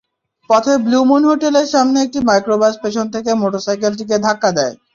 পথে blue moon হোটেলের সামনে একটি মাইক্রোবাস পেছন থেকে মোটরসাইকেলটিকে ধাক্কা দেয়।